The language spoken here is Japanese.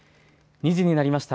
２時になりました。